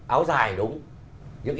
áo dài đúng